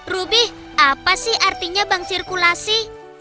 ruby apa sih artinya bank sirkulasi